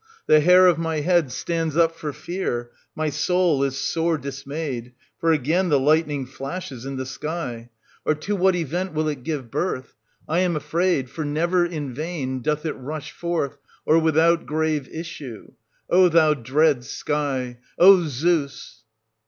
The hair of my head stands up for fear, my soul is sore dismayed ; for again the lightning flashes in the sky. Oh, to what event will 1470— 1496] OEDIPUS AT COLON US. 113 it give birth ? I am afraid, for never in vain doth it 1470 rush forth, or without grave issue. O thou dread sky ! Zeus